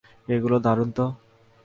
এগুলো দারুন তো।